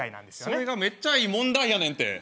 それがめっちゃいい問題やねんて。